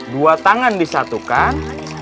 dua tangan disatukan